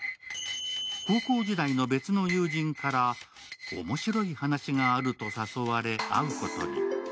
高校時代の別の友人から、面白い話があると誘われ、会うことに。